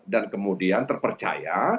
dan kemudian terpercaya